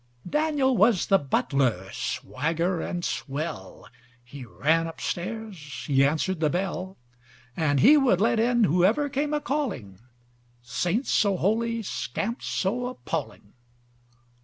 Daniel was the butler, swagger and swell. He ran up stairs. He answered the bell. And he would let in whoever came a calling:—Saints so holy, scamps so appalling.